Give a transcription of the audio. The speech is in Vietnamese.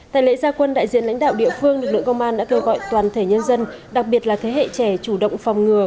tại lễ gia quân đại diện lãnh đạo địa phương lực lượng công an đã kêu gọi toàn thể nhân dân đặc biệt là thế hệ trẻ chủ động phòng ngừa